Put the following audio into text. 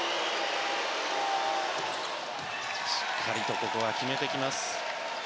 しっかりと決めてきます。